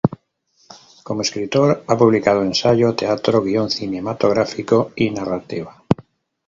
Como escritor ha publicado ensayo, teatro, guion cinematográfico y narrativa.